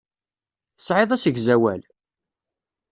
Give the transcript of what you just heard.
Tesɛiḍ asegzawal?